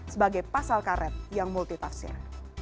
sebagai pasal karet yang multi taksir